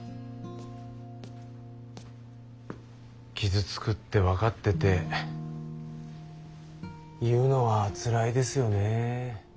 傷つくって分かってて言うのはつらいですよね。